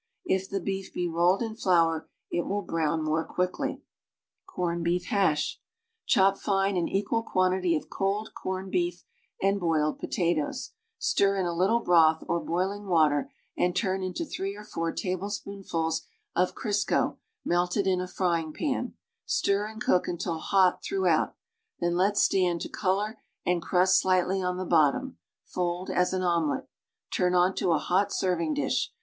If the beef be rolled in tlour, it will brown more quickly. CORNED BEEF HASH Cho|) tine an equal quantity of cold, corned beef a,nd boiled potatoes; stir in a little broth or boiling water and turn into three or four tablespoonfuls of Crisco melted in a frying pan; stir and cook until hot thfoughout, then let stand to color and crust slightly on the bottom; fold as an omelet. Turn ont(.) a hot serving dish.